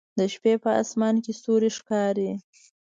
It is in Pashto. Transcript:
د شپې په اسمان کې ستوري ښکاري